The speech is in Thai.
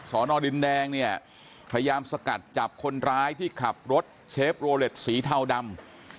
สอนอดินแดงเนี่ยพยายามสกัดจับคนร้ายที่ขับรถเชฟโรเล็ตสีเทาดำ